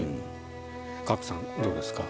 賀来さんどうですか？